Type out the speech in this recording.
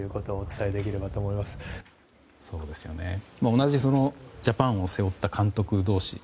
同じジャパンを背負った監督同士。